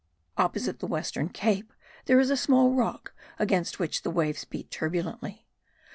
Opposite the western cape there is a small rock against which the waves beat turbulently.